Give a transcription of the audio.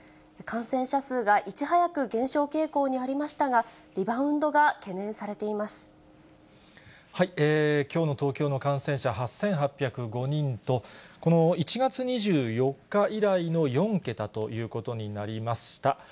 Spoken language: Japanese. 感染者数がいち早く減少傾向にありましたが、きょうの東京の感染者、８８０５人と、この１月２４日以来の４桁ということになりました。